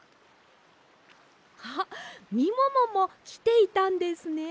あっみもももきていたんですね。